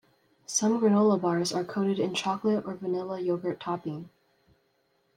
Some granola bars are coated in chocolate or vanilla yogurt topping.